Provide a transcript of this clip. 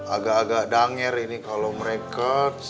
agak agak denger ini kalo mereka